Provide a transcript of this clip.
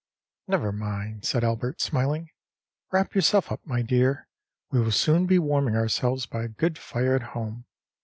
â âNever mind,â said Albert, smiling; âwrap yourself up, my dear; we will soon be warming ourselves by a good fire at home.